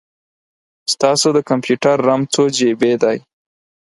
ستاسو د کمپیوټر رم څو جې بې دی؟